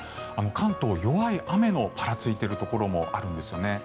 関東、弱い雨がぱらついているところもあるんですよね。